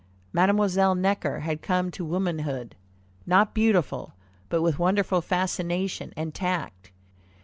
Mademoiselle Necker had come to womanhood, not beautiful, but with wonderful fascination and tact.